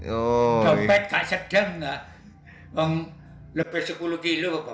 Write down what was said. jompet gak sedang lebih sepuluh kilo